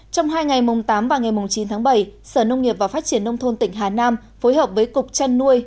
trong hai ngày mùng tám và ngày mùng chín tháng bảy sở nông nghiệp và phát triển nông thôn tỉnh hà nam phối hợp với cục chăn nuôi